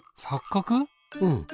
うん。